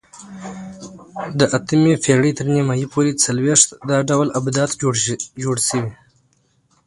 د اتمې پېړۍ تر نیمایي پورې څلوېښت دا ډول آبدات جوړ شوي